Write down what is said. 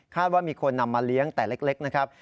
ว่ามีคนนำมาเลี้ยงแต่เล็กนะครับ